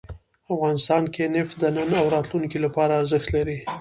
افغانستان کې نفت د نن او راتلونکي لپاره ارزښت لري.